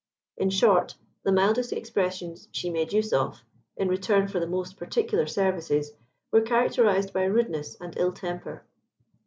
In short, the mildest expressions she made use of in return for the most particular services were characterized by rudeness and ill temper.